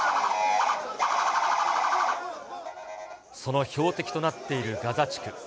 その標的となっているガザ地区。